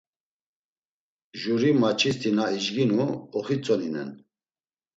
Juri maç̌isti na ijginu oxitzoninen.